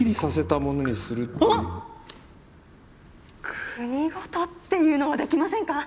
国ごとっていうのはできませんか？